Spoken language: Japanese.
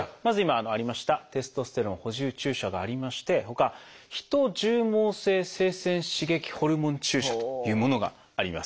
まず今ありました「テストステロン補充注射」がありましてほか「ヒト絨毛性性腺刺激ホルモン注射」というものがあります。